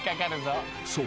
［そう。